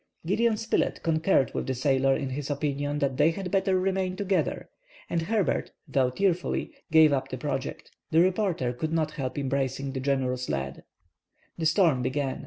Gideon Spilett concurred with the sailor in his opinion that they had better remain together, and Herbert, though tearfully, gave up the project. The reporter could not help embracing the generous lad. The storm began.